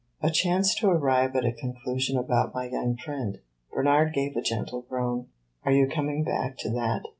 "A chance to arrive at a conclusion about my young friend." Bernard gave a gentle groan. "Are you coming back to that?